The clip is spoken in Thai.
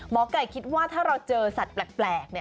ไก่คิดว่าถ้าเราเจอสัตว์แปลก